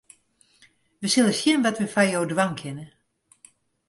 Wy sille sjen wat we foar jo dwaan kinne.